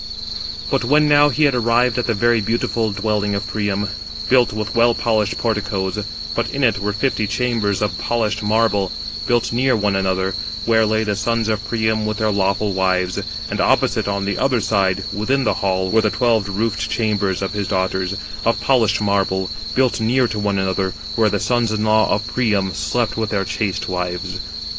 But when now he had arrived at the very beautiful dwelling of Priam, built with well polished porticoes; but in it were fifty chambers 249 of polished marble, built near one another, where lay the sons of Priam with their lawful wives; and opposite, on the other side, within the hall, were the twelve roofed chambers of his daughters, of polished marble, built near to one another, where the sons in law of Priam slept with their chaste wives.